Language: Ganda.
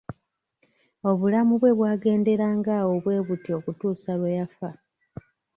Obulamu bwe bwagenderanga awo bwe butyo okutuusa lwe yafa.